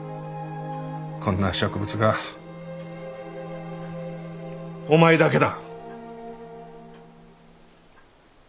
こんな植物画お前だけだ。